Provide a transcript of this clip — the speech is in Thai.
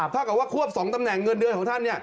ถ้าเกิดว่าควบ๒ตำแหน่งเงินเดือนของท่าน